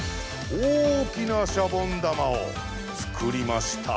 大きなシャボン玉を作りました。